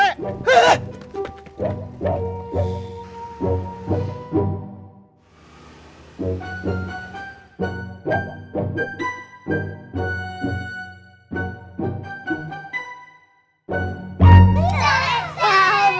paham pak rw